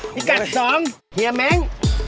พี่กัลสองเฮียแม้ง